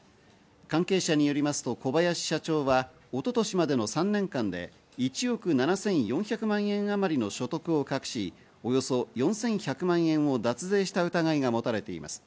関係者によりますと小林社長は一昨年までの３年間で１億７４００万円あまりの所得を隠し、およそ４１００万円を脱税した疑いが持たれています。